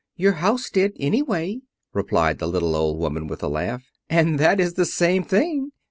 "Your house did, anyway," replied the little old woman, with a laugh, "and that is the same thing.